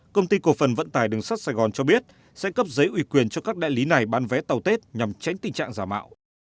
công ty cổ phần vận tải đường sắt sài gòn cho biết sẽ cấp giấy ủy quyền cho các đại lý này bán vé tàu tết nhằm tránh tình trạng giả mạo